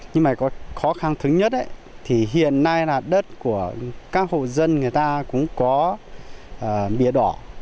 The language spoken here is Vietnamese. nhưng mà có khó khăn thứ nhất thì hiện nay là đất của các hộ dân người ta cũng có bia đỏ